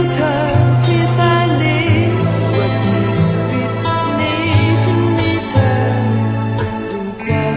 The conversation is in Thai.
ถ้าว่ายังไง